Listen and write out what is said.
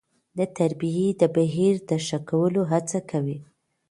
د تربيې د بهیر د ښه کولو هڅه کوي.